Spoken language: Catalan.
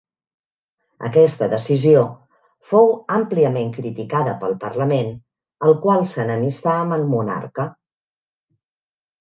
Aquesta decisió fou àmpliament criticada pel Parlament el qual s'enemistà amb el monarca.